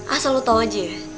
asal lo tau aja ya